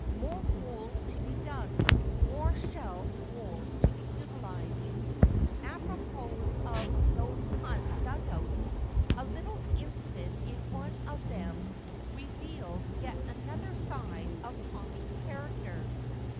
More holes to be dug — more shell holes to be utilised. Apropos of those Hun dug outs, a little incident in one of them re vealed yet another side of Tommy's character.